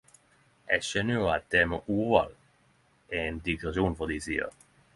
Eg skjønner jo at det med ordval er ein digresjon frå di side.